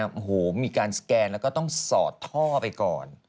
โอ้โหมีการสแกนแล้วก็ต้องสอดท่อไปก่อน